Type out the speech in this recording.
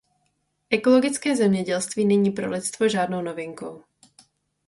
Ekologické zemědělství není pro lidstvo žádnou novinkou.